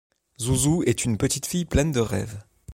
Zouzou est une petite fille pleine de rêves.